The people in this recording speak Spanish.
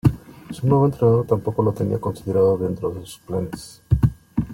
Su nuevo entrenador tampoco lo tenía considerado dentro de sus planes.